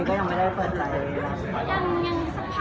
ก็ไม่มีที่มีถึง